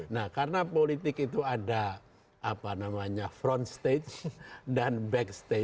nah karena politik itu ada apa namanya front stage dan back stage